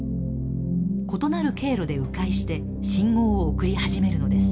異なる経路でう回して信号を送り始めるのです。